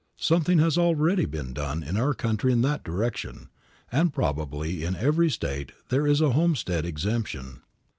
Something has already been done in our country in that direction, and probably in every State there is a homestead exemption.